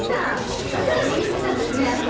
だから気にしてたんですね朝。